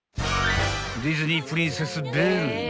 ［ディズニープリンセスベルが］